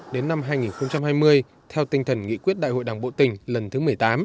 đến năm hai nghìn hai mươi theo tinh thần nghị quyết đại hội đảng bộ tỉnh lần thứ một mươi tám